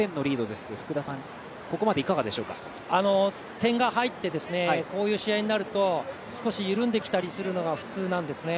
点が入って、こういう試合になると少し緩んできたりするのが普通なんですね。